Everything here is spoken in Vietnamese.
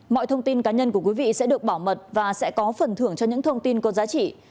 mọi thông tin cá nhân của quý vị sẽ được bảo mật và sẽ có phần thưởng cho những thông tin có giá trị